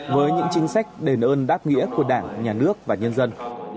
với những chính sách đền ơn đáp nghĩa của đảng nhà nước và nhân dân